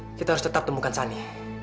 kita harus tetap temukan sani